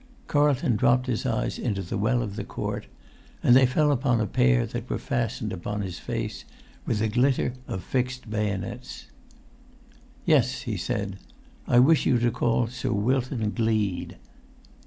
Carlton dropped his eyes into the well of the court, and they fell upon a pair that were fastened upon his face with the glitter of fixed bayonets. "Yes," said he. "I wish you to call Sir Wilton Gleed."